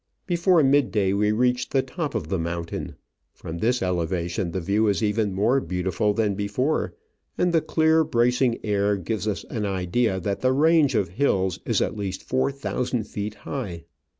Before mid day we reached the top of the mountain. From this elevation the view is even COFFEE DRYING, more beautiful than before, and the clear, bracing air gives us an idea that the range of hills is at least four thousand feet high.